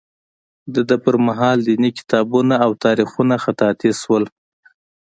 د ده پر مهال دیني کتابونه او تاریخونه خطاطي شول.